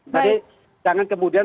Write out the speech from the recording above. jadi jangan kemudian